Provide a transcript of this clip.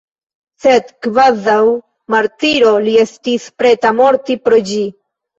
Sed kvazaŭ martiro li estis preta morti pro ĝi.